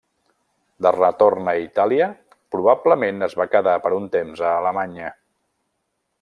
De retorn a Itàlia, probablement es va quedar per un temps a Alemanya.